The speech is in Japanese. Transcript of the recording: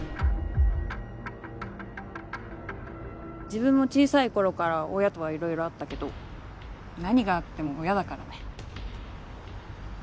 自分も小さい頃から親とはいろいろあったけど何があっても親だからね。